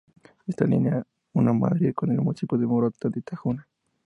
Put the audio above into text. Esta línea une Madrid con el municipio de Morata de Tajuña.